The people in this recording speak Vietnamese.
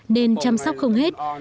nên chăm sóc không hề nhiều